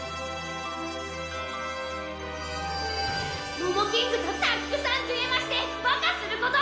モモキングとたっくさんデュエマしてバカすること。